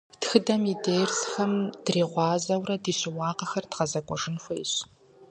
Тхыдэм и дерсхэм дригъуазэурэ ди щыуагъэхэр дгъэзэкӏуэжын хуейщ.